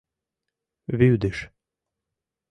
Вӱдыш!